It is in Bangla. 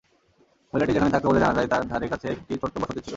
মহিলাটি যেখানে থাকত বলে জানা যায় তার ধারে কাছে একটি ছোট্ট বসতি ছিল।